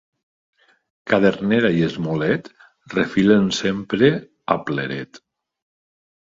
Cadernera i esmolet refilen sempre a pleret.